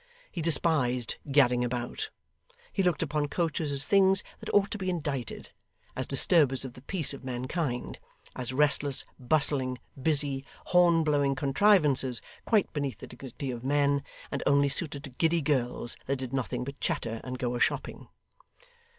He despised gadding about; he looked upon coaches as things that ought to be indicted; as disturbers of the peace of mankind; as restless, bustling, busy, horn blowing contrivances, quite beneath the dignity of men, and only suited to giddy girls that did nothing but chatter and go a shopping.